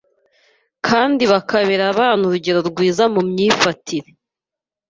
kandi bakabera abana urugero rwiza mu myifatire.